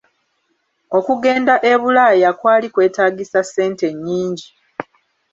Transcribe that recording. Okugenda e bulaaya kwali kwetaagisa ssente nnyingi.